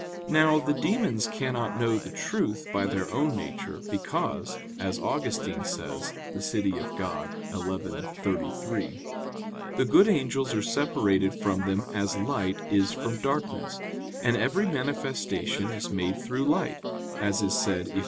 Now, the demons cannot know the truth by their own nature, because, as Augustine says (De Civ. Dei xi, 33), the good angels are separated from them as light is from darkness; and every manifestation is made through light, as is said Eph.